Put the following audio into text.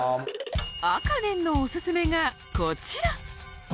あかねんのオススメがこちら。